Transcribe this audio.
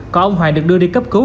còn ông hoàng được đưa đi cấp cứu